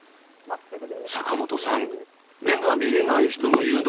坂本さん目が見えない人の誘導